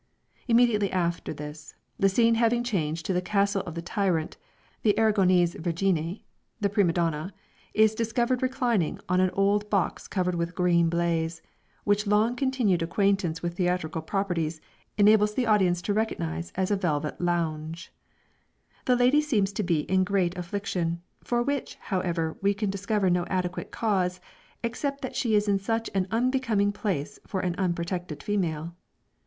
Immediately after this, the scene having changed to the castle of the tyrant, the "Aragonese vergine" (the prima donna), is discovered reclining on an old box covered with green baize, which long continued acquaintance with theatrical properties, enables the audience to recognize as a velvet lounge. This lady seems to be in great affliction, for which, however, we can discover no adequate cause, except that she is in such an unbecoming place for an unprotected female.